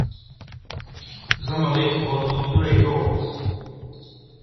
Zamalek won on away goals.